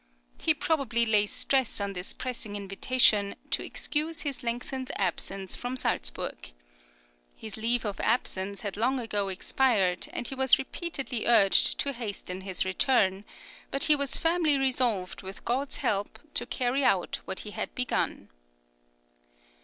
He probably lays stress on this pressing invitation to excuse his lengthened absence from Salzburg. His leave of absence had long ago expired, {FIRST JOURNEY.} (44) and he was repeatedly urged to hasten his return; but he was firmly resolved with God's help, to carry out what he had begun.